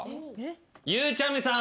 ゆうちゃみさん。